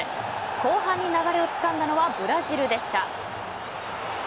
後半に流れをつかんだのはブラジルでした。